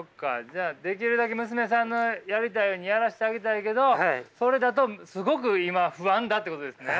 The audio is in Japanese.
じゃあできるだけ娘さんのやりたいようにやらしてあげたいけどそれだとすごく今不安だってことですね？